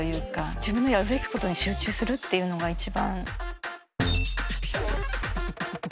自分のやるべきことに集中するっていうのが一番。